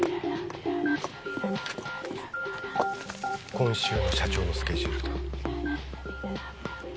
今週の社長のスケジュールだ